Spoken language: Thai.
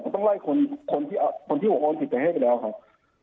ต้องไล่คนที่ผมโอนผิดไปให้ไปแล้วครับ